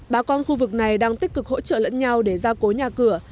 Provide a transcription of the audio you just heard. bà con khu vực này đang tích cực hỗ trợ lẫn nhau để ra cố nhà cửa